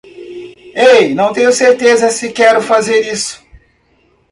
Ei? Não tenho certeza se quero fazer isso.